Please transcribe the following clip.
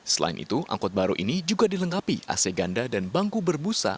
selain itu angkot baru ini juga dilengkapi ac ganda dan bangku berbusa